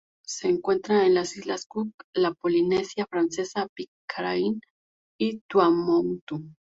Se encuentran en las Islas Cook, la Polinesia Francesa, Pitcairn y Tuamotu.